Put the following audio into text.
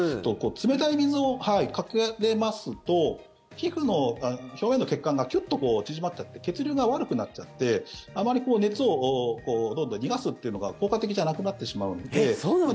冷たい水をかけますと皮膚の表面の血管がキュッと縮まっちゃって血流が悪くなっちゃってあまり熱をどんどん逃がすというのが効果的じゃなくなってしまうので。